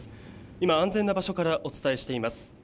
今、安全な場所からお伝えしています。